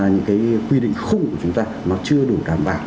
những cái quy định khung của chúng ta nó chưa đủ đảm bảo